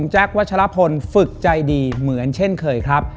แจ๊ควัชลพลฝึกใจดีเหมือนเช่นเคยครับ